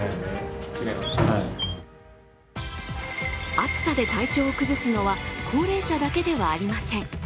暑さで体調を崩すのは高齢者だけではありません。